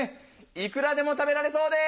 イクラでも食べられそうです！